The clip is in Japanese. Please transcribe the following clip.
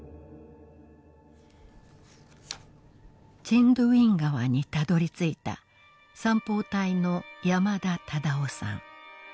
チンドウィン河にたどりついた山砲隊の山田直夫さん。